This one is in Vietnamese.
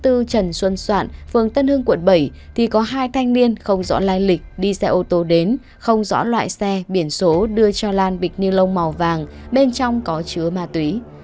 sau đó lan ra đầu hẻm một trăm tám mươi bốn trần xuân soạn phường tân hưng quận bảy thì có hai thanh niên không rõ lai lịch đi xe ô tô đến không rõ loại xe biển số đưa cho lan bịch nilon màu vàng bên trong có chứa ma túy